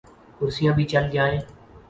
کرسیاں بھی چل جائیں۔